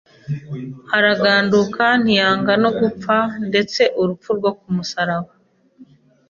araganduka ntiyanga no gupfa ndetse urupfu rwo ku musaraba.